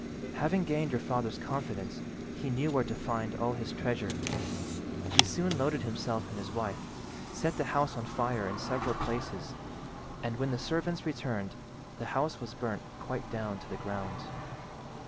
Having gained your father's confidence he knew where to find all his treasure. He soon loaded himself and his wife, set the house on fire in several places, and, when the servants returned, the house was burnt quite down to the ground.